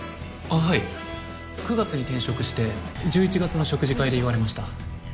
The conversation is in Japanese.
あっはい９月に転職して１１月の食事会で言われましたあっ刀根社長